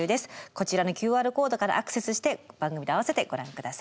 こちらのＱＲコードからアクセスして番組と併せてご覧ください。